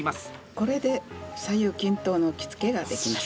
これで左右均等の着付ができます。